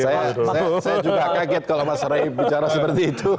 saya juga kaget kalau pak drei bicara seperti itu